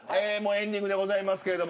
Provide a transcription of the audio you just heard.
エンディングでございますけど。